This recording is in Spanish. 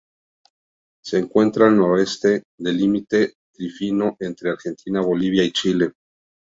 Se encuentra al noreste del límite trifinio entre Argentina, Bolivia y Chile.